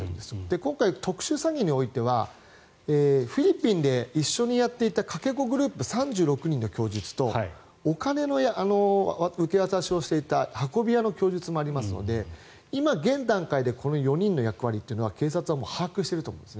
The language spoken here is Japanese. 今回、特殊詐欺においてはフィリピンで一緒にやっていたかけ子グループ３５人の供述とお金の受け渡しをしていた運び屋の供述もありますので今、現段階でこの４人の役割というのは警察は把握していると思うんです。